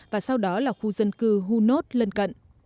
và sau đó là khu dân cư hunos lân cận